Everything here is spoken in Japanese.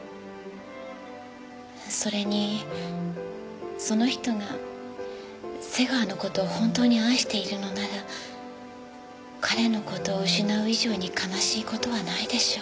それにその人が瀬川の事を本当に愛しているのなら彼の事を失う以上に悲しい事はないでしょう。